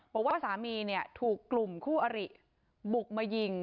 บอกว่าสามีเนี่ยถูกกลุ่มคู่อริบุกมายิง